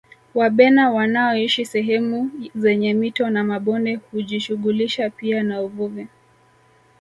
Wabena wanaoshi sehemu zenye mito na mabonde hujishughulisha pia na uvuvi